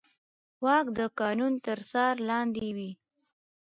واک د قانون تر څار لاندې وي.